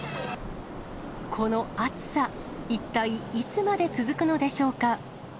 この暑さ、一体いつまで続くのでしょうか。